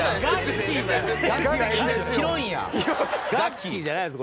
ガッキーじゃないです。